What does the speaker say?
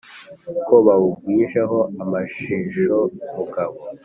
Ko bawugwijeho amashinjo mugabo